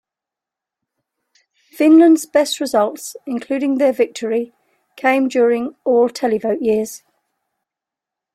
Finland's best results, including their victory, came during all-televote years.